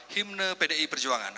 himna pdi perjuangan